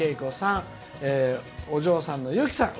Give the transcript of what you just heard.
お嬢さんのゆきさん